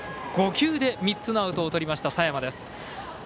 ５球で３つのアウトをとりました佐山です。